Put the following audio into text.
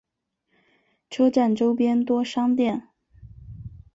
车站周边多商店。